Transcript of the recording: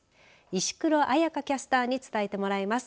石黒綾佳キャスターに伝えてもらいます。